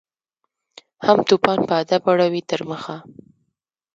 هم توپان په ادب اړوي تر مخه